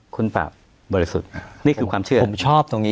คุณบาปบริกกว่าสุดอ่านี่คือความเชื่อผมชอบตรงนี้